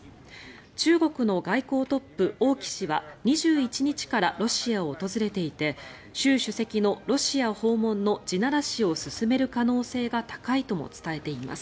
中国の外交トップ、王毅氏は２１日からロシアを訪れていて習主席のロシア訪問の地ならしを進める可能性が高いとも伝えています。